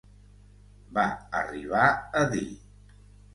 Va arribar a dir.